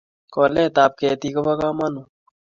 koletap ketik kopo kamanut